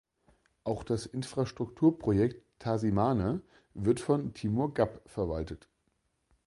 Auch das Infrastrukturprojekt "Tasi Mane" wird von Timor Gap verwaltet.